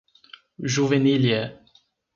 Juvenília